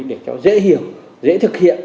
để cho dễ hiểu dễ thực hiện